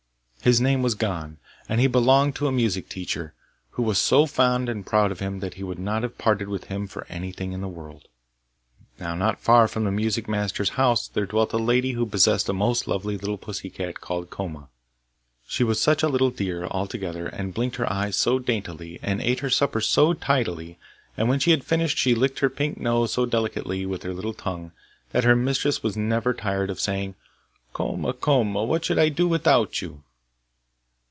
His name was Gon, and he belonged to a music teacher, who was so fond and proud of him that he would not have parted with him for anything in the world. Now not far from the music master's house there dwelt a lady who possessed a most lovely little pussy cat called Koma. She was such a little dear altogether, and blinked her eyes so daintily, and ate her supper so tidily, and when she had finished she licked her pink nose so delicately with her little tongue, that her mistress was never tired of saying, 'Koma, Koma, what should I do without you?